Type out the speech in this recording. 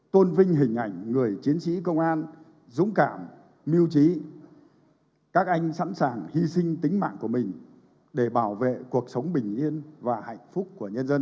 tôn vinh hình ảnh người chiến sĩ công an dũng cảm mưu trí các anh sẵn sàng hy sinh tính mạng của mình để bảo vệ cuộc sống bình yên và hạnh phúc của nhân dân